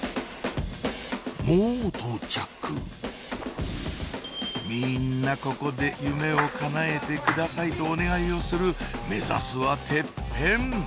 もう到着みんなここで「夢をかなえてください」とお願いをする目指すはテッペン！